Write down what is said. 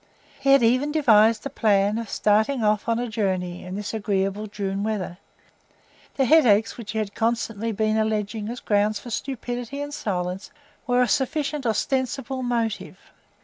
He had even devised a plan of starting off on a journey in this agreeable June weather; the headaches which he had constantly been alleging as a ground for stupidity and silence were a sufficient ostensible motive.